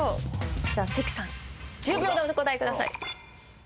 じゃあ関さん１０秒でお答えください。